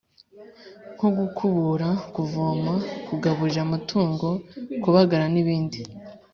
nko gukubura, kuvoma, kugaburira amatungo, kubagara n’ibindi